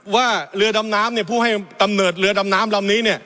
ว่าเรือดำน้ำน้ำเนี่ยผู้ให้ตำเนิดเรือดำน้ำน้ำลำนี้เนี่ย